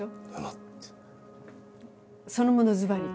そのものずばり。